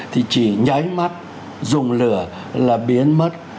thì chỉ nháy mắt dùng lửa là biến mất